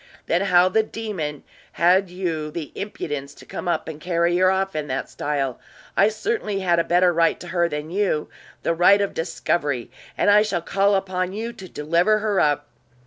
"Then how the demon had you the impudence to come up and carry her off in that style? I certainly had a better right to her than you the right of discovery; and I shall call upon you to deliver her up!"